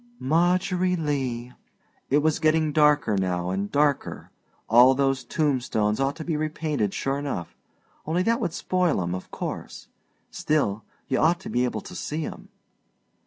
"Margery Lee." It was getting darker now and darker all those tombstones ought to be repainted sure enough, only that would spoil 'em, of course. Still, you ought to be able to see 'em.